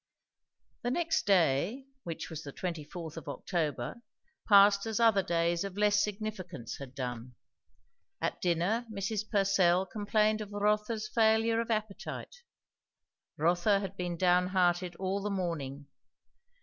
The next day, which was the 24th of October, passed as other days of less significance had done. At dinner Mrs. Purcell complained of Rotha's failure of appetite. Rotha had been down hearted all the morning.